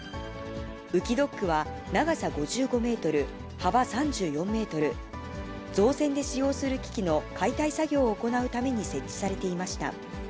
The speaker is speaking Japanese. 浮きドックは、長さ５５メートル、幅３４メートル、造船で使用する機器の解体作業を行うために設置されていました。